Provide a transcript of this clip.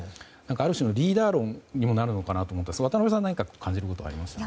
ある種のリーダー論にもなるのかなと思って渡辺さん何か感じることはありますか？